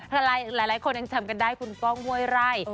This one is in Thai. หลายคนยังจำกันได้คุณก้องห้วยไร่